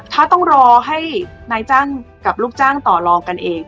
ถ้าต้องรอให้นายจ้างกับลูกจ้างต่อลองกันเอง